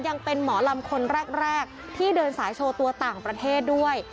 ยังเป็นหมอลำคนแรกที่เดินสายโชว์ตัวต่างประเทศด้วย